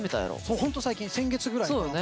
そう本当最近先月ぐらいから。